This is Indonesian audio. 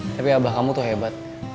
tapi abah kamu tuh hebat